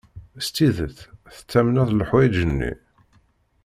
S tidet tettamneḍ leḥwayeǧ-nni?